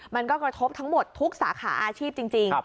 มันก็กระทบทั้งหมดทุกสาขาอาชีพจริง